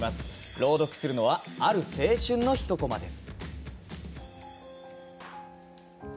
朗読するのはある青春の一こまです。